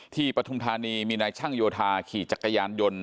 ปฐุมธานีมีนายช่างโยธาขี่จักรยานยนต์